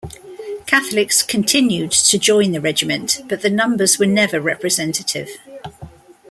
Catholics continued to join the regiment, but the numbers were never representative.